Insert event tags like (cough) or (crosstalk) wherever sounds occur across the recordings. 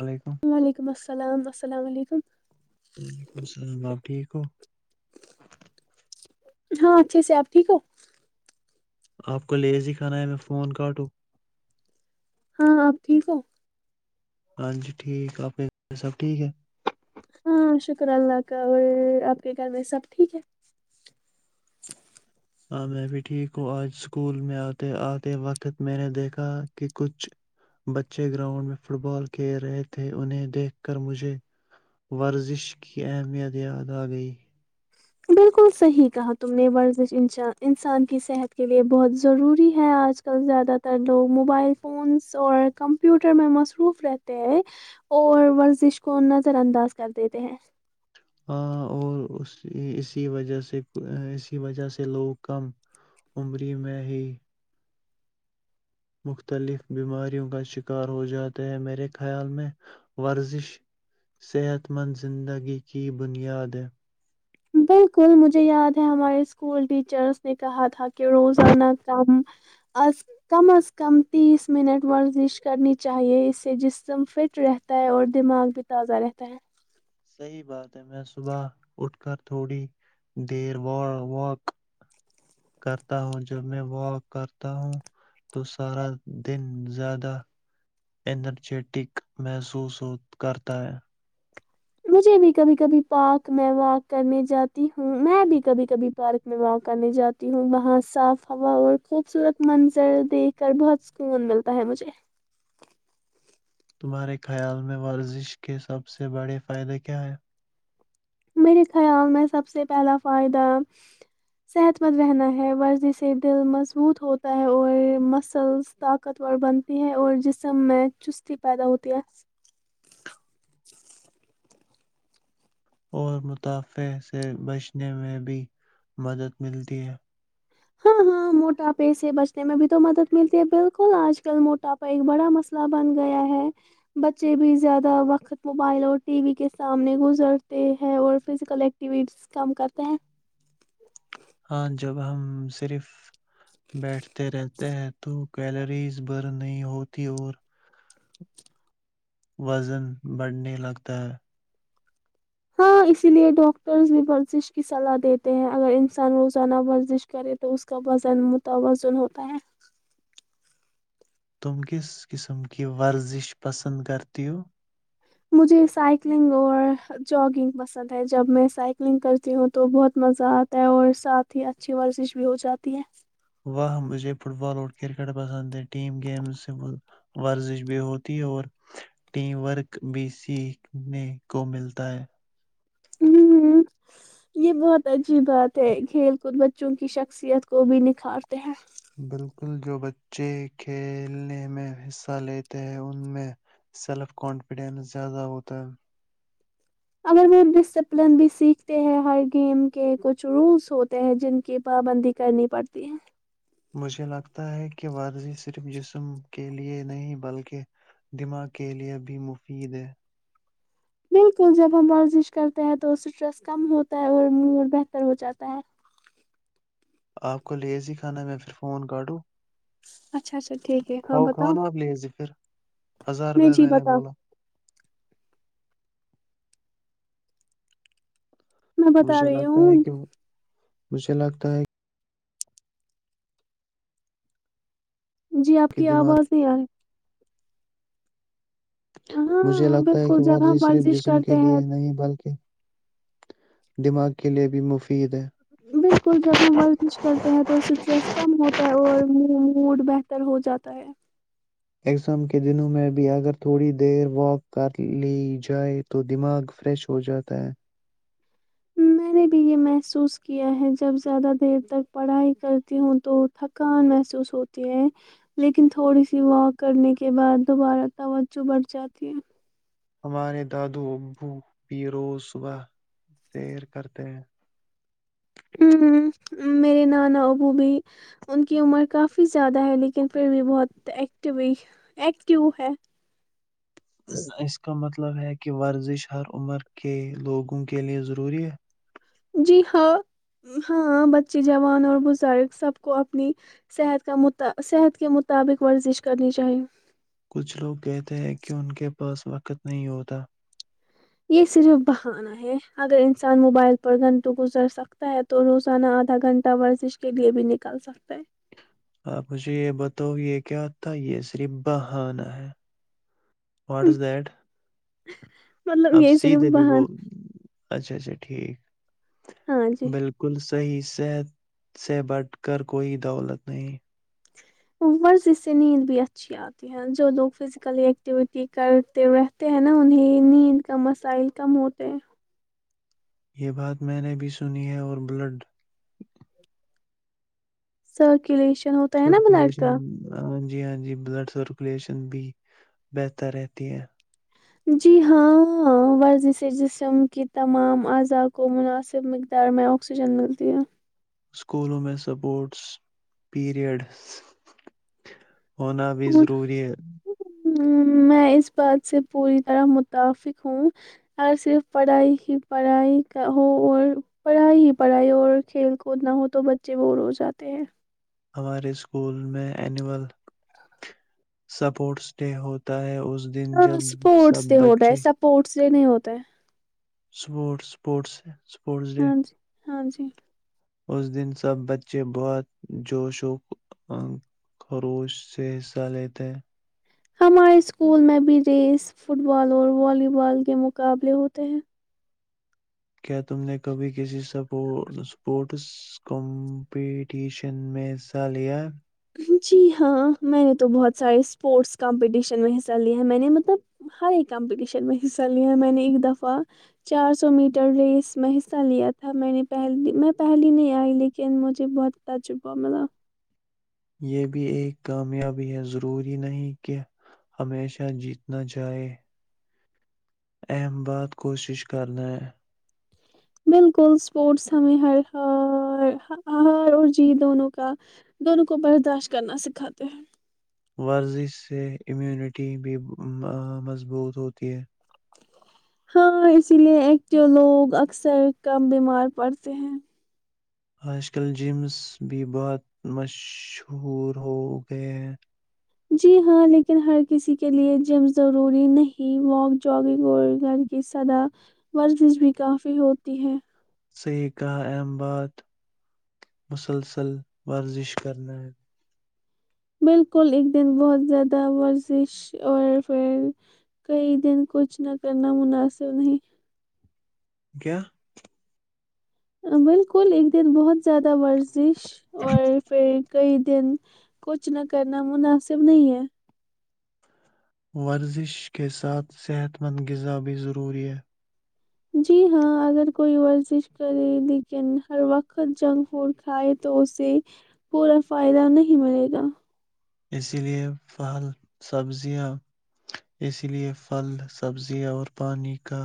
وعلیکم وعلیکم السلام السلام علیکم وعلیکم السلام آپ ٹھیک ہو ہاں اچھے سے آپ ٹھیک ہو آپ کو لیز ہی کھانا ہے میں فون کاٹوں ہاں آپ ٹھیک ہو ہاں جی ٹھیک اپنے سب ٹھیک ہے ہاں شکر اللہ کا اور آپ کے گھر میں سب ٹھیک ہے ہاں میں بھی ٹھیک ہوں آج اسکول میں آتے آتے وقت میں نے دیکھا کہ کچھ بچے گراؤنڈ میں فٹ بال کھیل رہے تھے انہیں دیکھ کر مجھے ورزش کی اہمیت یاد آ گئی بالکل صحیح کہا تم نے ورزش انشا انسان کی صحت کے لئے بہت ضروری ہے آج کل زیادہ تر لوگ موبائل فونس اور کمپیوٹر میں مصروف رہتے ہیں اور ورزش کو نظر انداز کر دیتے ہیں اور اس اسی وجہ سے اسی وجہ سے لوگ کم عمری میں ہی مختلف بیماریوں کا شکار ہو جاتے ہے میرے خیال میں ورزش صحت مند زندگی کی بنیاد ہے بالکل مجھے یاد ہے ہمارے اسکول ٹیچرس نے کہا تھا کہ روزانہ کم از کم از کم تیس منٹ ورزش کرنی چاہیے اس سے جسم فٹ رہتا ہے اور دماغ بھی تازہ رہتا ہے صحیح بات ہے میں صبح اٹھ کر تھوڑی دیر و واک کرتا ہوں جب میں واک کرتا ہوں تو سارا دن زیادہ انرجیٹک محسوس ہو کرتا ہے مجھے بھی کبھی کبھی پارک میں واک کرنے جاتی ہوں میں بھی کبھی کبھی پارک میں واک کرنے جاتی ہوں وہاں صاف ہوا اور خوبصورت منظر دیکھ کر بہت سکون ملتا ہے مجھے تمہارے خیال میں ورزش کے سب سے بڑے فائدے کیا ہے میرے خیال میں سب سے پہلا فائدہ صحت مند رہنا ہے ورزش سے دل مضبوط ہوتا ہے اور مسلس طاقتور بنتی ہے اور جسم میں چستی پیدا ہوتی ہے اور متاافع سے بچنے میں بھی مدد ملتی ہے ہاں ہاں موٹاپے سے بچنے میں بھی تو مدد ملتی ہے بالکل آج کل موٹاپا ایک بڑا مسئلہ بن گیا ہے بچے بھی زیادہ وقت موبائل اور ٹی وی کے سامنے گزرتے ہیں اور فزیکل ایکٹیویٹیز کم کرتے ہیں ہاں جب ہم صرف بیٹھتے رہتے ہیں تو کیلریز برن نہیں ہوتی اور وزن بڑھنے لگتا ہے ہاں اسی لیے ڈاکٹرز بھی ورزش کی صلاح دیتے ہیں اگر انسان روزانہ ورزش کرے تو اس کا وزن متوازن ہوتا ہے تم کس قسم کی ورزش پسند کرتی ہو مجھے سائکلنگ اور جگنگ پسند ہے جب میں سائکلنگ کرتی ہوں تو بہت مزہ آتا ہے اور ساتھ ہی اچھی ورزش بھی ہو جاتی ہے وہاں مجھے فٹ بال اور کرکٹ پسند ہے ٹیم گیم سے ورزش بھی ہوتی ہے اور ٹیم ورک بھی سیکھنے کو ملتا ہے ہ یہ بہت عجیب بات ہے کھیل کود بچوں کی شخصیت کو بھی نکھارتے ہیں بالکل جو بچے کھیلنے میں حصہ لیتے ہیں ان میں سیلف کانفیڈنس زیادہ ہوتا اگر وہ ڈسپلن بھی سیکھتے ہیں ہر گیم کے کچھ رولس ہوتے ہیں جن کی پابندی کرنی پڑتی ہے مجھے لگتا ہے کہ ورزی صرف جسم کے لیے نہیں بلکہ دماغ کے لیے بھی مفید ہے بالکل جب ہم ورزش کرتے ہیں تو اسٹریس کم ہوتا ہے اور مڈ بہتر ہو جاتا ہے آپ کو لیز ہی کھانا میں پھر فون کاٹوں اچھا اچھا ٹھیک ہے ہاں کھاؤ کھاؤ بتاؤ نا آپ لیزی پھر ہزار میں بار جی نے بتاؤ بولا میں بتا مجھے رہی لگتا ہوں ہے کہ مجھے لگتا ہے جی آپ کہ کی دماغ آواز نہیں آ رہی مجھے ہاں لگتا ہے بالکل کہ جب ہم ورضی صرف ورزش جسم کے کرتے ہیں لیے نہیں بلکہ دماغ کے لیے بھی مفید ہے بالکل جب ہم ورزش کرتے ہیں تو اسٹریس کم ہوتا ہے اور موڈ بہتر ہو جاتا ہے ایگزام کے دنوں میں بھی اگر تھوڑی دیر واک کر لی جائے تو دماغ فریش ہو جاتا ہے میں نے بھی یہ محسوس کیا ہے جب زیادہ دیر تک پڑھائی کرتی ہوں تو تھکان محسوس ہوتی ہے لیکن تھوڑی سی واک کرنے کے بعد دوبارہ توجہ بٹھ جاتی ہے ہمارے دادو ابو پیر روز صبح سیر کرتے ہیں ہ ہ میرے نانا ابو بھی ان کی عمر کافی زیادہ ہے لیکن پھر بھی بہت ایکٹیوی ایکٹیو ہے اس کا مطلب ہے کہ ورزش ہر عمر کے لوگوں کے لیے ضروری ہے جی ہاں ہاں بچے جوان اور بزرگ سب کو اپنی صحت کا م صحت کے مطابق ورزش کرنی چاہیے کچھ لوگ کہتے ہیں کہ ان کے پاس وقت نہیں ہوتا یہ صرف بہانا ہے اگر انسان موبائل پر گھنٹوں گزر سکتا ہے تو روزانہ آدھا گھنٹہ ورزش کے لے بھی نکال سکتا ہے آپ مجھے یہ بتاؤ یہ کیا تھا یہ صرف بہانا ہے واٹ از دیٹ (unintelligible) اب یہ صرف سیدھےب وہ بہان اچھا اچھا ٹھیک ہاں جی بالکل صحیح صحت سے بٹ کر کوئی دولت نہیں ور اس سے نیند بھی اچھی آتی ہے جو لوگ فزیکل ایکٹیویٹی کرتے رہتے ہیں نا انہیں نیند کا مسائل کم ہوتے یہ بات میں نے بھی سنی ہے اور بلڈ س کلیش سرکولیشن جی ہاں جی بلڈ سرکولیشن بھی بہتر رہتی ہے جی ہاں ورزی سے جسم کی تمام اعضاء کو مناسب مقدار میں آکسیجن ملتی ہے اسکولوں میں سپورٹس پریڈ ہونا بھی ضروری ہے ہ میں اس بات سے پوری طرح متفق ہوں ا صرف پڑھائی ہی پڑھائی کا ہو اور پڑھائی ہی پڑھائی اور کھیل کود نہ ہو تو بچے بور ہو جاتے ہیں ہمارے اسکول میں اینول سپورٹس ڈے ہوتا ہے اس دن ہاں جب سپورٹس سب سے ہو رہے ہے بچے سپورٹس ج نہیں ہوتا ہے سپورٹس سپورٹس ہیں اسپورٹس ڈے ہاں جی ہاں جی اس دن سب بچے بہت جوش و خروش سے حصہ لیتے ہیں ہمارے اسکول میں بھی ریس فٹ بال اور والی بال کے مقابلے ہوتے ہیں کیا تم نے کبھی کسی اسپورٹس کمپٹیشن میں حصہ لیا جی ہاں میں نے تو بہت سارے اسپورٹس کمپٹیشن میں حصہ لیا ہیں میں نے مطلب ہر ایک کمپٹیشن میں حصہ لیا ہے میں نے ایک دفعہ چار سو میٹر ریس میں حصہ لیا تھا میں نے پہلی میں پہل نہیں آئی لیکن مجھے بہت تجبہ ملا یہ بھی ایک کامیابی ہے ضروری نہیں کہ ہمیشہ جیتنا چے اہم بات کوشش کرنا ہے بالکل اسپورٹس ہمیں ہر ہ ہار اور جی دونوں کا دونوں کو برداشت کرنا سکھاتے ہیں ورزش سے امیونٹی بھی مضبوط ہوتی ہے ہاں اسی لیے ایک توو لوگ اکثر کم بیمار پڑتے ہیں آج کل جمس بھی بہت مشہور ہوگئے ہیں جی ہاں لیکن ہر کسی کے لیے جم ضروری نہیں واک جگنگ اور گھر کی سدا ورزش بھی کافی ہوتی ہے صحیح کہا ام بات مسلسل ورزش کرنا ہے بالکل ایک دن بہت زیادہ ورزش اور پھر کئی دن کچھ نہ کرنا مناسب نہیں کیا بالکل ایک دن بہت زیادہ رز جش اور پھر کئی دن کچھ نہ کرنا مناسب نہیں ہے ورزش کے ساتھ صحت مند غذا بھی ضروری ہے جی ہاں اگر کوئی ورزش کرے لیکن ہر وقت جنک فوڈ کھائے تو اسے پورا فائدہ نہیں ملے گا اسی لئے پھل سبزیاں اسی لیئے پھل سبزیاں اور پانی کا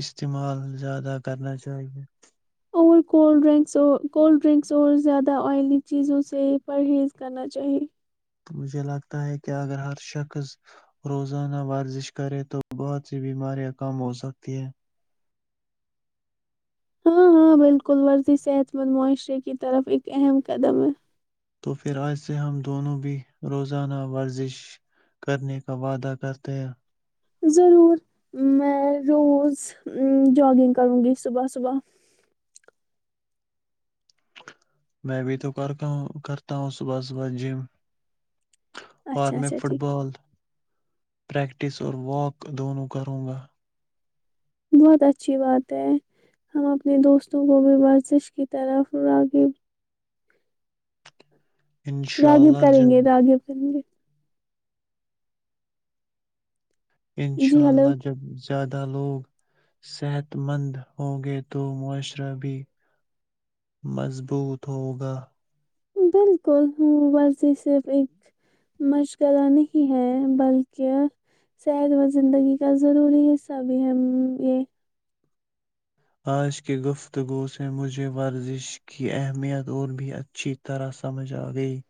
استعمال زیادہ کرنا چاہیئے اور کو ڈکس کولڈ ڈرنکس اور زیادہ آئلی چیزوں سے پرہیز کرنا چاہیے مجھے لگتا ہے کہ اگر ہر شخص روزانہ ورزش کرے تو بہت سی بیماریاں کم ہوسکتی ہیں ہاں ہاں بالکل ورزی صحت مند معاشرے کی طرف ایک اہم قدم ہے تو پھر آج سے ہم دونوں بھی روزانہ ورزش کرنے کا وعدہ کرتے ہیں ضرور میں روز جاگنگ کروں گی صبح صبح میں بھی تو کر ہ کرتا ہوں صبح صبح جم اور اچھا میں اچھا فٹ ٹھیک بال پریکٹس اور واک دونوں کروں گا بہت اچھی بات ہے ہم اپنے دوستوں کو بھی ورزش کی طرف راغب راغب انشاءاللہ کریں گے جب راغب کریں گے جی انشاء ہلو اللہ جب زیادہ لوگ صحت مند ہوں گے تو معاشرہ بھی مضبوط ہوگا بالکل ہ ورزی صرف ایک مشغہ نہیں ہے بلکہ صحت و زندگی کا ضروری حصہ بھی ہے یہ آج کی گفتگو سے مجھے ورزش کی اہمیت اور بھی اچھی طرح سمجھ آ گئی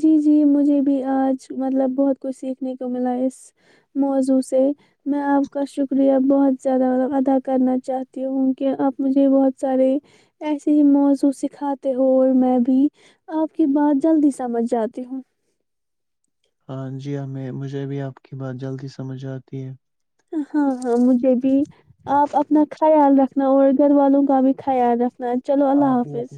جی جی مجھے بھی آج مطلب بہت کچھ سیکھنے کو ملا اس موضوع سے میں آپ کا شکریہ بہت زیادہ ادا کرنا چاہتی ہوں کہ آپ مجھے بہت سارے ایسے ہی موضوع سکھاتے ہو اور میں بھی آپ کی بات جلدی سمجھ جاتی ہوں ہاں جی مجھے بھی آپ کی بات جلدی سمجھ آتی ہے ا ہاں ہاں مجھے بھی آپ اپنا خیال رکھ س گھر والوں ابق خیال رکھنا ہے چلو اللہ حافظ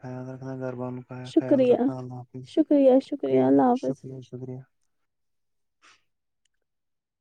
کھیا رکھنا گر کا خیال شکریہ رکھا اللہ حافظ شکریہ شکریہ اللہ حافظ شکریہ شکریہ